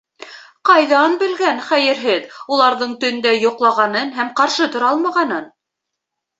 Ҡайҙан белгән, хәйерһеҙ, уларҙың тондә йоҡлағанын һәм ҡаршы тора алмағанын?